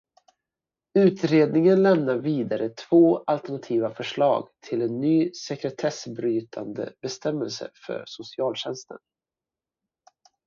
Utredningen lämnar vidare två alternativa förslag till en ny sekretessbrytande bestämmelse för socialtjänsten.